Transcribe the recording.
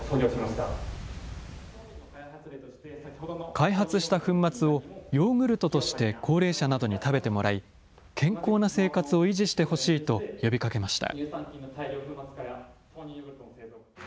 開発した粉末をヨーグルトとして高齢者などに食べてもらい、健康な生活を維持してほしいと呼びかけました。